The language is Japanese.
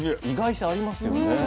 意外性ありますよね。